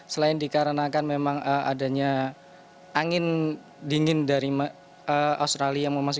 selain dikarenakan memang adanya angin dingin dari australia